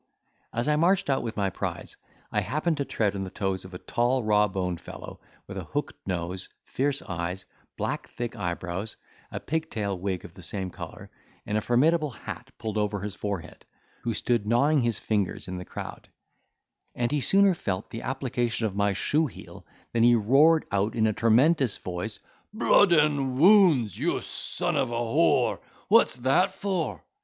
As I marched out with my prize, I happened to tread on the toes of a tall raw boned fellow, with a hooked nose, fierce eyes, black thick eyebrows, a pigtail wig of the same colour, and a formidable hat pulled over his forehead, who stood gnawing his fingers in the crowd, and he sooner felt the application of my shoe heel, than he roared out in a tremendous voice, "Blood and wounds! you son of a whore, what's that for?"